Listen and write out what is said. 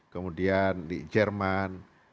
kemudian di jerman